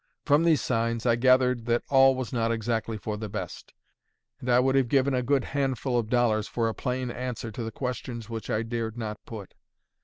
From these signs, I gathered that all was not exactly for the best; and I would have given a good handful of dollars for a plain answer to the questions which I dared not put.